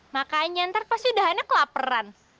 makanya ntar pasti udah hanya kelaperan